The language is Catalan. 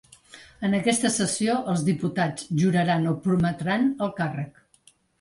En aquesta sessió, els diputats juraran o prometran el càrrec.